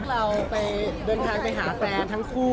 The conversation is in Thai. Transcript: เราไปเดินทางไปหาแฟนทั้งคู่